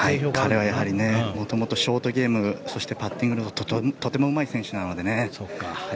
彼は昔からショートゲームそしてパッティングがとてもうまい選手なのでやはり